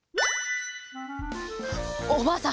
おばあさん